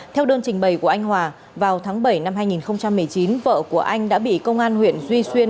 theo đơn trình bày của anh hòa vào tháng bảy năm hai nghìn một mươi chín vợ của anh đã bị công an huyện duy xuyên